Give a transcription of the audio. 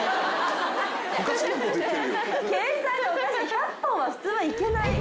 １００本は普通はいけない。